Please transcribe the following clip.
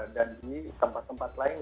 dan di tempat tempat lain